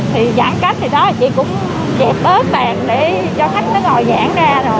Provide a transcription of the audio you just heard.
thì giãn cách thì đó chị cũng chẹp bớt bàn để cho khách nó ngồi giãn ra rồi